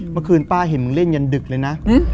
เมื่อคืนป้าเห็นมึงเล่นยันดึกเลยนะ